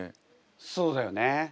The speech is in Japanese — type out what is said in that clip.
そうだよね。